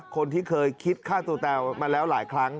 คนที่เคยคิดฆ่าตัวแตวมาแล้วหลายครั้ง